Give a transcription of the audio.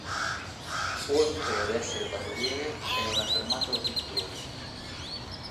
Oltre ad essere paroliere, è un affermato pittore.